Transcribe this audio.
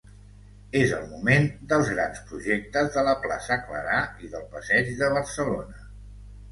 És el moment dels grans projectes de la plaça Clarà i del passeig de Barcelona.